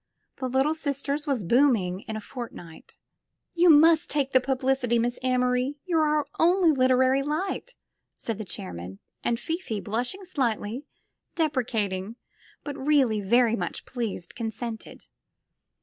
''The Little Sisters" was booming in a fortnight. "You must take the Publicity, Miss Amory; you're our only literary light," said the chairman, and Fifi, blushing slightly, deprecating, but really very much pleased, consented.